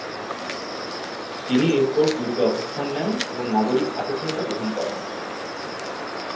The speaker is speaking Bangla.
তিনি এরপর দুর্গে অবস্থান নেন এবং নাগরিক আতিথেয়তা গ্রহণ করেন।